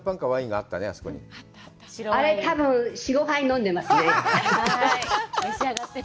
あれ、多分、４５杯飲んでますね。